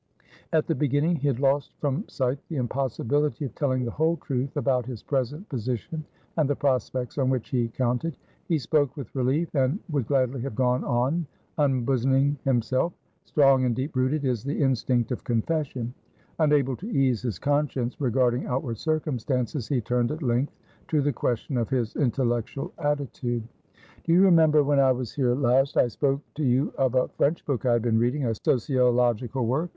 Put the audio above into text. At the beginning, he had lost from sight the impossibility of telling the whole truth about his present position and the prospects on which he counted; he spoke with relief, and would gladly have gone on unbosoming himself. Strong and deep rooted is the instinct of confession. Unable to ease his conscience regarding outward circumstances, he turned at length to the question of his intellectual attitude. "Do you remember, when I was here last, I spoke to you of a French book I had been reading, a sociological work?